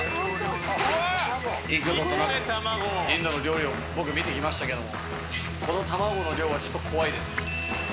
幾度となくインドの料理を僕見てきましたけどもこの卵の量はちょっと怖いです。